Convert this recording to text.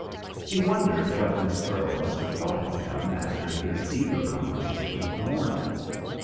He wondered what Miss Earle must have thought of him after his eager conversation of the morning.